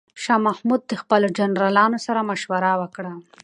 شاه محمود د خپلو جنرالانو سره مشوره وکړه.